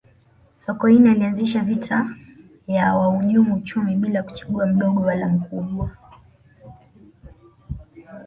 sokoine alianzisha vita ya wahujumu uchumi bila kuchagua mdogo wala mkubwa